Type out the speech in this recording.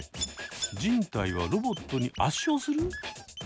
人体はロボットに圧勝する！？